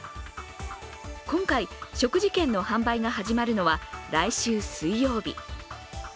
今回、食事券の販売が始まるのは来週水曜日。